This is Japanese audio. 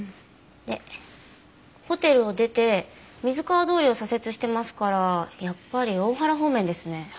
でホテルを出て水川通りを左折してますからやっぱり大原方面ですね。